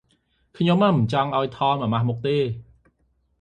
ខ្ញុំមិនចង់ធ្វើឱ្យ ថម អាម៉ាស់មុខទេ។